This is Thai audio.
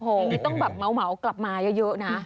โอ้โฮต้องแบบเมากลับมาเยอะนะ